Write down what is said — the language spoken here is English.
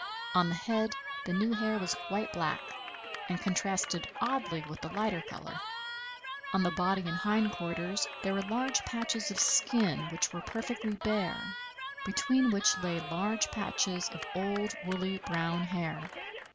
On the head the new hair was quite black, and contrasted oddly with the lighter color. On the body and hind quarters there were large patches of skin which were perfectly bare, between which lay large patches of old, woolly, brown hair.